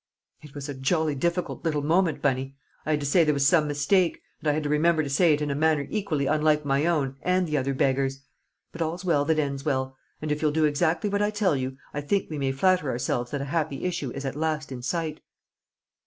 "It was a jolly difficult little moment, Bunny. I had to say there was some mistake, and I had to remember to say it in a manner equally unlike my own and the other beggar's! But all's well that ends well; and if you'll do exactly what I tell you I think we may flatter ourselves that a happy issue is at last in sight."